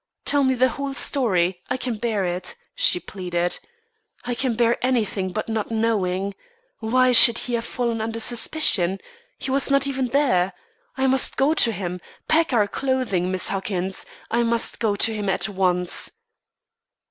Tell me the whole story. I can bear it," she pleaded. "I can bear anything but not knowing. Why should he have fallen under suspicion? He was not even there. I must go to him! Pack up our clothing, Miss Huckins. I must go to him at once."